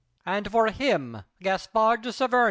And for him, Gaspard de Saverny!